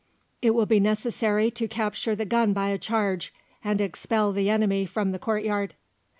It will be necessary to capture the gun by a charge, and expel the enemy from the courtyard."